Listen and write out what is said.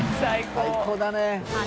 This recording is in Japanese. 最高だね。